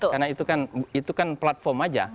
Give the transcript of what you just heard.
karena itu kan platform saja